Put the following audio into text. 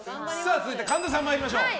続いて、神田さん参りましょう。